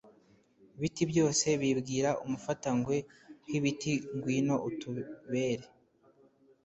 biti byose bibwira umufatangwe h biti ngwino utubere